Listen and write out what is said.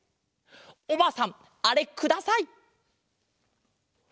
おばあさんあれください！